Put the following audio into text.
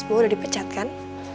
mas bowo udah dipecat kan